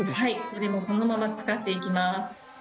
それもそのまま使っていきます。